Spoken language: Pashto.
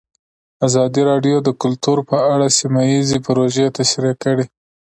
ازادي راډیو د کلتور په اړه سیمه ییزې پروژې تشریح کړې.